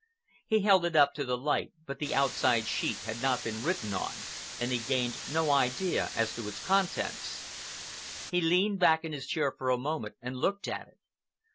He held it up to the light, but the outside sheet had not been written on, and he gained no idea as to its contents. He leaned back in his chair for a moment, and looked at it.